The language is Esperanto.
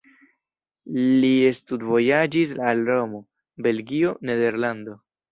Li studvojaĝis al Romo, Belgio, Nederlando.